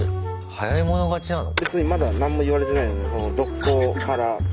早い者勝ちなの？